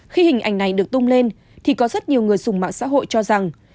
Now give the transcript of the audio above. khi hình ảnh này được tung lên thì có rất nhiều người dùng mạng xã hội cho rằng